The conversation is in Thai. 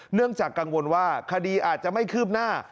เนื่องจากกังวลว่าคดีอาจจะไม่คืบหน้า